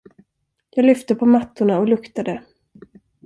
Jag lyfte på mattorna och luktade.